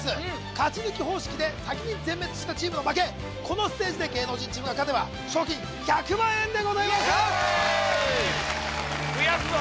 勝ち抜き方式で先に全滅したチームの負けこのステージで芸能人チームが勝てば賞金１００万円でございます増やすぞ